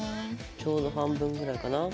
ちょうど半分ぐらいかな？